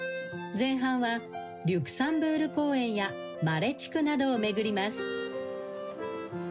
前半はリュクサンブール公園やマレ地区などを巡ります。